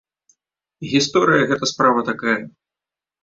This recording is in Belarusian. Гісторыя гэтай справы такая.